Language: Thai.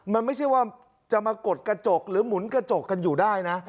มันไม่ใช่ว่าจะมากดกระจกหรือหมุนกระจกกันอยู่ได้นะ